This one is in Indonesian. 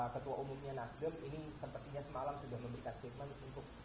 ketua umumnya nasdem ini sepertinya semalam sudah memberikan statement untuk